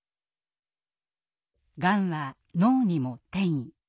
がんは脳にも転移。